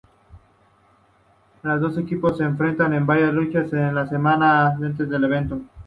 Los dos equipos se enfrentaron, en varias luchas en las semanas antes del evento.